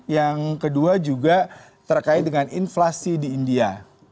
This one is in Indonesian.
yang kedua juga terkait dengan inflasi di india